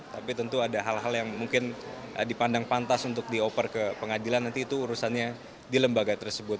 tapi tentu ada hal hal yang mungkin dipandang pantas untuk dioper ke pengadilan nanti itu urusannya di lembaga tersebut